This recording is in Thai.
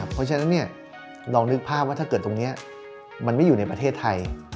เพราะฉะนั้นลองนึกภาพว่าถ้าเกิดตรงนี้มันไม่อยู่ในประเทศไทย